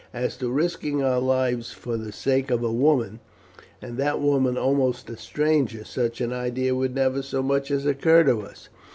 As to risking our lives for the sake of a woman, and that woman almost a stranger, such an idea would never so much as occur to us.